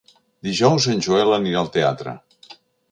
Dijous en Joel anirà al teatre.